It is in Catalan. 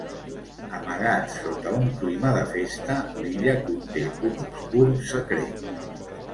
Amagat sota un clima de festa, l'illa conté un obscur secret.